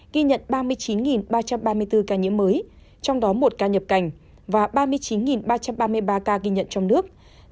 ghi nhận ba mươi chín ba trăm ba mươi bốn ca nhiễm mới trong đó một ca nhập cảnh và ba mươi chín ba trăm ba mươi ba ca ghi nhận trong nước